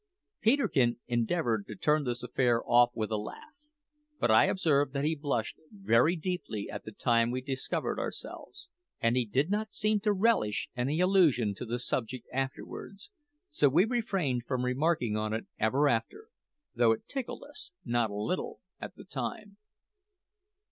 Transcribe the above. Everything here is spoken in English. Peterkin endeavoured to turn this affair off with a laugh. But I observed that he blushed very deeply at the time we discovered ourselves, and he did not seem to relish any allusion to the subject afterwards; so we refrained from remarking on it ever after, though it tickled us not a little at the time.